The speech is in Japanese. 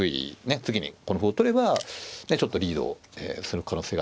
次にこの歩を取ればちょっとリードする可能性が高い。